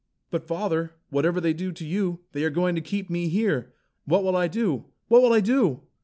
"But father, whatever they do to you, they are going to keep me here. What will I do? What will I do?"